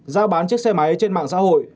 giao bán chiếc xe máy trên mạng xã hội